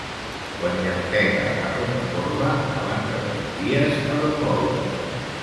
Quan llampega a Rocacorba abans de tres dies ha de ploure.